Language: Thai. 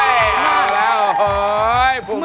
เยี่ยม